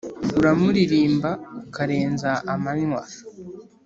uramuririmba ukarenza amanywa